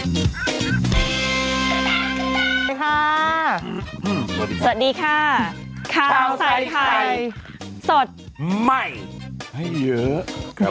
สวัสดีค่ะสวัสดีค่ะข้าวใส่ไข่สดใหม่ให้เยอะ